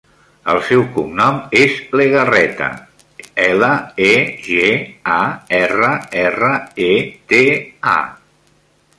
El seu cognom és Legarreta: ela, e, ge, a, erra, erra, e, te, a.